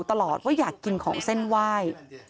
ตลอดว่าอยากกินของเส้นไหว้